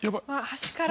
端から。